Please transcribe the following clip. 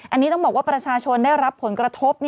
อันนี้ต้องบอกว่าประชาชนได้รับผลกระทบ